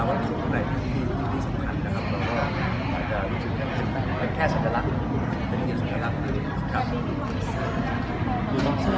มันแบบต้องมีวงใหม่สิ